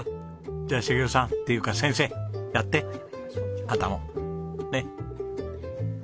じゃあ重夫さんっていうか先生やってあなたもねっ。